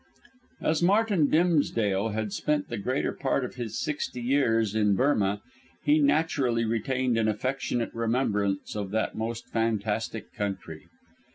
As Martin Dimsdale had spent the greater part of his sixty years in Burmah, he naturally retained an affectionate remembrance of that most fantastic country.